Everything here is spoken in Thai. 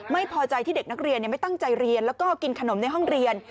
ไม่พอใจที่เด็กนักเรียนไม่ตั้งใจเรียนแล้วก็กินขนมในห้องเรียน